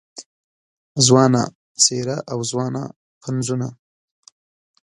ځوانه څېره او ځوانه پنځونه